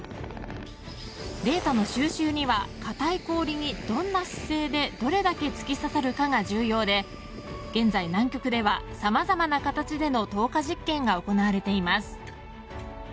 データの収集には固い氷にどんな姿勢でどれだけ突き刺さるかが重要で現在、南極ではさまざまな形での投下実験が行われています。